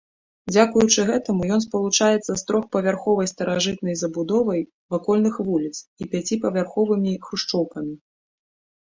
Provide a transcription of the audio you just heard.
Дзякуючы гэтаму ён спалучаецца з трохпавярховай старажытнай забудовай вакольных вуліц і пяціпавярховымі хрушчоўкамі.